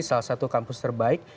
salah satu kampus terbaik